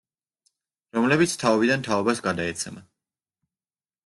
რომლებიც თაობიდან თაობას გადაეცემა.